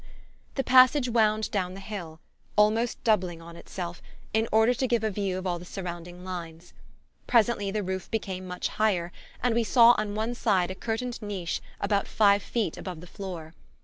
The passage wound down the hill, almost doubling on itself, in order to give a view of all the surrounding lines. Presently the roof became much higher, and we saw on one side a curtained niche about five feet above the floor.